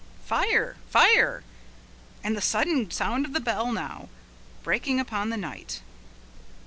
Fire! Fire! and the sudden sound of the bell now, breaking upon the night.